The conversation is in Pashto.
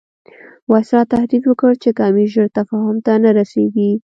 وایسرا تهدید وکړ چې که امیر ژر تفاهم ته نه رسیږي.